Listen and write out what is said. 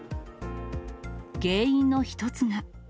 原因の一つが。